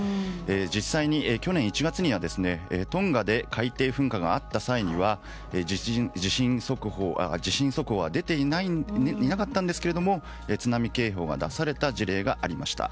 実際に去年１月にトンガで海底噴火があった際には地震速報は出ていなかったんですが津波警報が出された事例がありました。